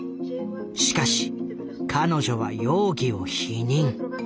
しかし彼女は容疑を否認。